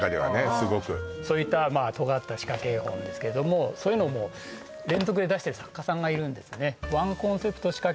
すごくそういったとがった仕掛け絵本ですけれどもそういうのをもう連続で出してる作家さんがいるんですね